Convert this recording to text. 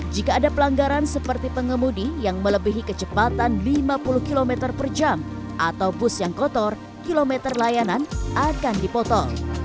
jika ada pelanggaran seperti pengemudi yang melebihi kecepatan lima puluh km per jam atau bus yang kotor kilometer layanan akan dipotong